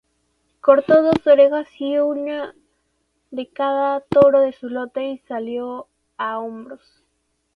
Cortó dos orejas, una de cada toro de su lote, y salió a hombros.